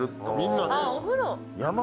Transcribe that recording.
あお風呂。